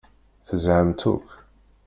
Tezhamt akk.